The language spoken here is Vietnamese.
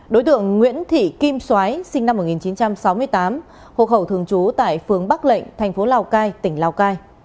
đối tượng nguyễn thị kim xoái sinh năm một nghìn chín trăm sáu mươi tám hộ khẩu thường trú tại phương bắc lệnh thành phố lào cai tỉnh lào cai